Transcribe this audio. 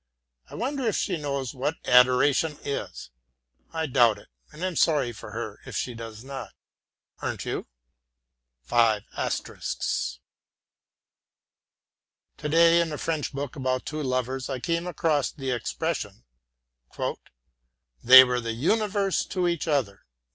I wonder if she knows what adoration is? I doubt it, and am sorry for her if she does not. Aren't you? Today in a French book about two lovers I came across the expression: "They were the universe to each other."